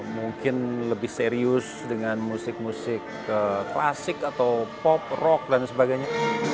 mungkin lebih serius dengan musik musik klasik atau pop rock dan sebagainya